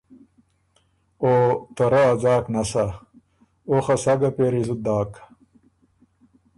او ته رۀ ا ځاک نسا، او خه سَۀ ګه پېری زُت داک۔